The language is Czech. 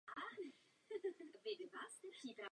Záchrana řeky by podle nich trvala celá desetiletí.